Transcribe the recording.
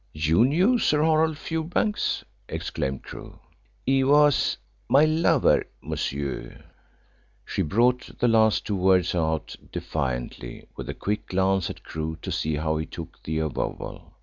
"You knew Sir Horace Fewbanks?" exclaimed Crewe. "He was my lover, monsieur." She brought the last two words out defiantly, with a quick glance at Crewe to see how he took the avowal.